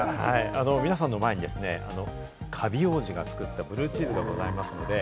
皆さんの前にですね、カビ王子が作ったブルーチーズがございます。